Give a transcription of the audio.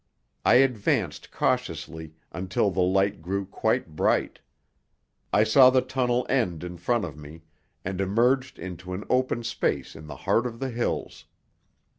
I advanced cautiously until the light grew quite bright; I saw the tunnel end in front of me, and emerged into an open space in the heart of the hills.